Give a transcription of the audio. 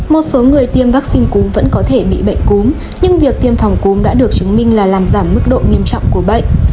một số người tiêm vaccine cúm vẫn có thể bị bệnh cúm nhưng việc tiêm phòng cúm đã được chứng minh là làm giảm mức độ nghiêm trọng của bệnh